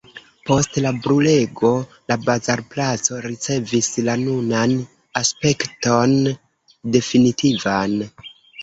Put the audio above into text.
Post la brulego la bazarplaco ricevis la nunan aspekton definitivan.